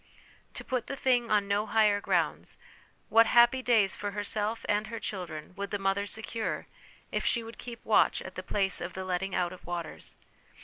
To put the thing on no higher grounds, what happy days for herself and her children would the mother secure if she would keep watch at the place of the letting out of waters!